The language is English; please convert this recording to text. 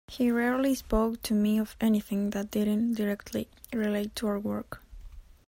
He rarely spoke to me of anything that didn't directly relate to our work.